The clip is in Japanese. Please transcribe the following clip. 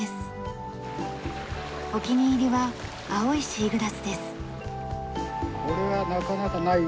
お気に入りは青いシーグラスです。